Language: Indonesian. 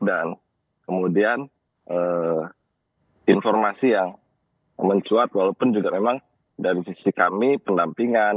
dan kemudian informasi yang mencuat walaupun juga memang dari sisi kami pendampingan